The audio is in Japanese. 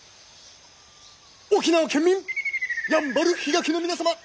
沖縄県民やんばる比嘉家の皆様！